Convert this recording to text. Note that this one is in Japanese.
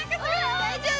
大丈夫？